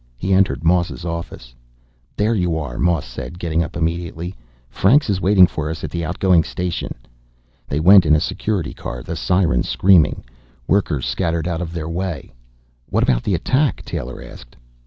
He entered Moss's office. "There you are," Moss said, getting up immediately. "Franks is waiting for us at the outgoing station." They went in a Security Car, the siren screaming. Workers scattered out of their way. "What about the attack?" Taylor asked.